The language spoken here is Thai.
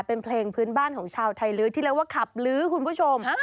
เป็นเพลงพื้นบ้านของชาวไทยลื้อที่เรียกว่าขับลื้อคุณผู้ชม